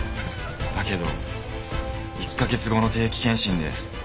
だけど１カ月後の定期健診で。